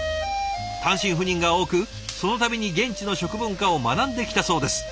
単身赴任が多くその度に現地の食文化を学んできたそうです。